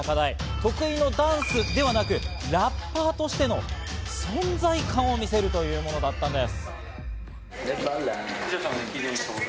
得意のダンスではなくラッパーとしての存在感を見せるというものだったんです。